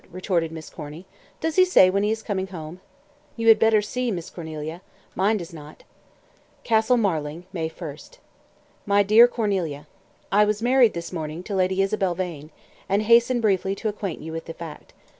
retorted Miss Corny. "Does he say when he is coming home?" "You had better see, Miss Cornelia. Mine does not." "CASTLE MARLING, May 1st. "MY DEAR CORNELIA I was married this morning to Lady Isabel Vane, and hasten briefly to acquaint you with the fact.